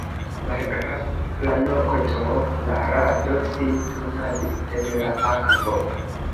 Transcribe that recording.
Malgraŭ la nokto la rado sin turnadis en la akvo.